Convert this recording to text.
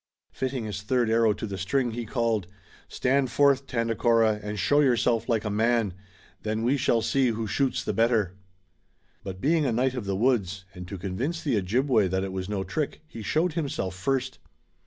Fitting his third arrow to the string, he called: "Stand forth, Tandakora, and show yourself like a man! Then we shall see who shoots the better!" But being a knight of the woods, and to convince the Ojibway that it was no trick, he showed himself first.